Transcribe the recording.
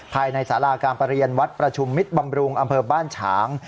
ภายในสาราการประเรียนวัดประชุมมิตรบำรุงอำเภอบ้านฉาง